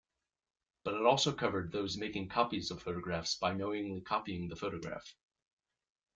But it also covered those making copies of photographs by knowingly copying the photograph.